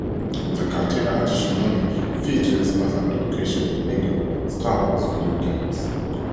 The Cantina additionally features as a location in Lego Star Wars video games.